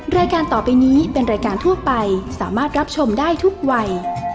รายการต่อไปนี้เป็นรายการทั่วไปสามารถรับชมได้ทุกวัย